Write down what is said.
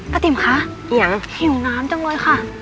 อ๋อป้าติ๋มคะเหี่ยงหิวน้ำจังเลยค่ะ